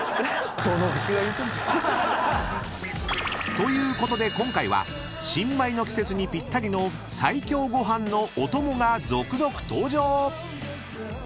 ［ということで今回は新米の季節にぴったりの最強ご飯のおともが続々登場！］